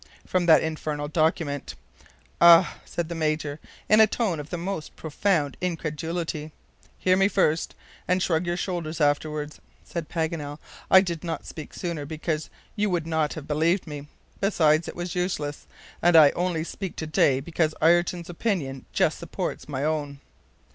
"From that infernal document." "Ah!" said the Major, in a tone of the most profound incredulity. "Hear me first, and shrug your shoulders afterward," said Paganel. "I did not speak sooner, because you would not have believed me. Besides, it was useless; and I only speak to day because Ayrton's opinion just supports my own."